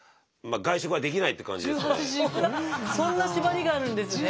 そんな縛りがあるんですね。